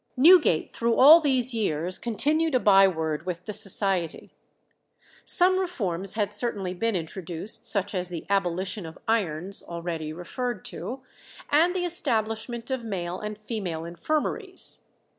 Newgate through all these years continued a bye word with the Society. Some reforms had certainly been introduced, such as the abolition of irons, already referred to, and the establishment of male and female infirmaries.